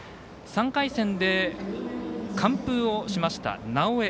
３回戦で、完封をしました直江。